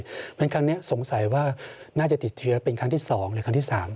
เพราะฉะนั้นครั้งนี้สงสัยว่าน่าจะติดเชื้อเป็นครั้งที่๒หรือครั้งที่๓